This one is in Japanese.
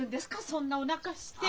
そんなおなかして！